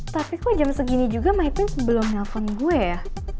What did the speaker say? tapi kok jam segini juga my prince belum nelfon gue ya